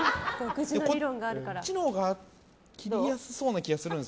こっちのほうが切りやすそうな気がするんです。